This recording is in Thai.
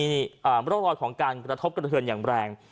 มีร่องรอยของการกระทบกระเทือนอย่างแรง